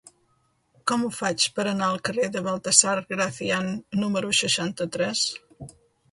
Com ho faig per anar al carrer de Baltasar Gracián número seixanta-tres?